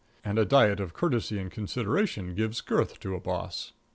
And a diet of courtesy and consideration gives girth to a boss.